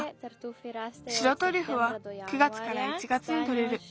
白トリュフは９月から１月にとれる。